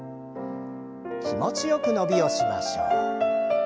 気持ちよく伸びをしましょう。